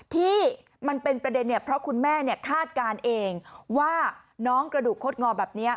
ที่มันเป็นประเด็นเนี่ยเพราะคุณแม่คาดการณ์เองว่าน้องกระดูกคดงอแบบนี้